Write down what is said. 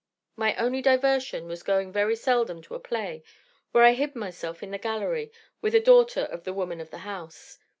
My only diversion was going very seldom to a play, where I hid myself in the gallery, with a daughter of the woman of the house.